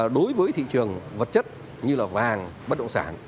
đối với thị trường vật chất như là vàng bất động sản